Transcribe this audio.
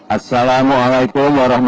assalamu'alaikum warahmatullahi wabarakatuh